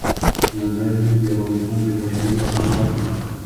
مزارشریف د افغانستان د بشري فرهنګ برخه ده.